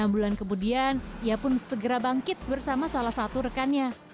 enam bulan kemudian ia pun segera bangkit bersama salah satu rekannya